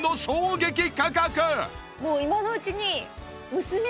もう今のうちに。